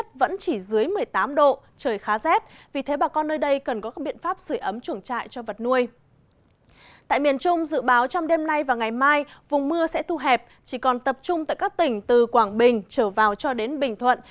tại miền trung dự báo trong đêm nay và ngày mai vùng mưa sẽ thu hẹp chỉ còn tập trung tại các tỉnh từ quảng bình trở vào cho đến bình thuận